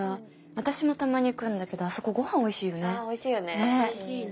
私もたまに行くんだけどあそこごはんおいしいよね。